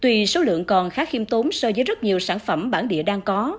tuy số lượng còn khá khiêm tốn so với rất nhiều sản phẩm bản địa đang có